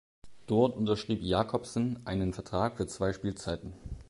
Dort unterschrieb Jacobsen einen Vertrag für zwei Spielzeiten.